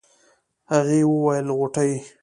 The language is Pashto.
هغې وويل غوټۍ.